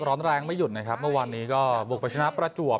ร้อนแรงไม่หยุดนะครับเมื่อวานนี้ก็บุกไปชนะประจวบ